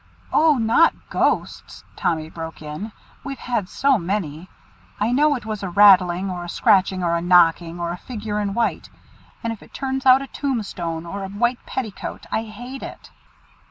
"Oh! not ghosts!" Tommy broke in; "we've had so many. I know it was a rattling, or a scratching, or a knocking, or a figure in white; and if it turns out a tombstone or a white petticoat, I hate it."